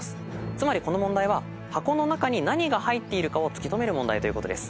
つまりこの問題は箱の中に何が入っているかを突き止める問題ということです。